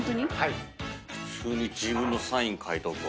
普通に自分のサイン書いとくわ。